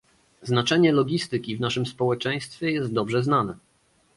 Znaczenie logistyki w naszym społeczeństwie jest dobrze znane